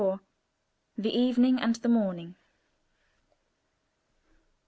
The Evening and the Morning.